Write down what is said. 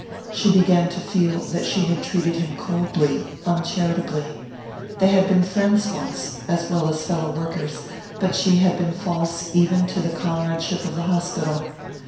She began to feel that she had treated him coldly, uncharitably. They had been friends once, as well as fellow workers; but she had been false even to the comradeship of the hospital.